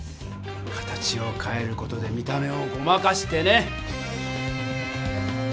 形をかえる事で見た目をごまかしてね！